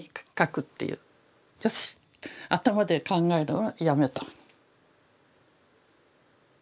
よし頭で考えるのはやめた。